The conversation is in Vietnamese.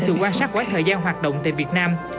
từ quan sát quá thời gian hoạt động tại việt nam